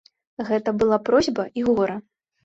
Гэта была просьба і гора.